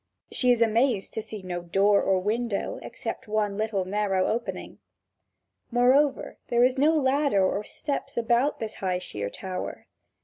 She is amazed to see no door or window, except one little narrow opening. Moreover, there was no ladder or steps about this high, sheer tower.